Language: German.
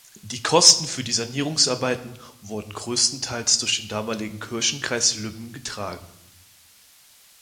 Die Kosten für die Sanierungsarbeiten wurden größtenteils durch den damaligen Kirchenkreis Lübben getragen.